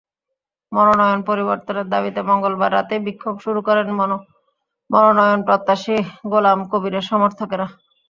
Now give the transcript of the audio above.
মনোনয়ন পরিবর্তনের দাবিতে মঙ্গলবার রাতেই বিক্ষোভ শুরু করেন মনোনয়নপ্রত্যাশী গোলাম কবিরের সমর্থকেরা।